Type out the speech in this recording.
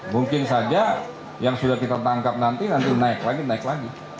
mungkin saja yang sudah kita tangkap nanti nanti naik lagi naik lagi